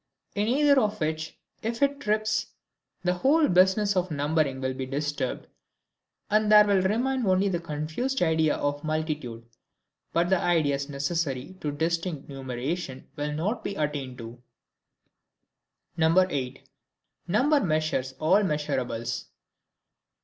In either of which, if it trips, the whole business of numbering will be disturbed, and there will remain only the confused idea of multitude, but the ideas necessary to distinct numeration will not be attained to. 8. Number measures all Measurables.